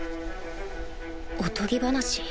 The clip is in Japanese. おとぎ話？